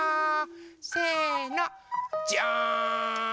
せの。じゃん！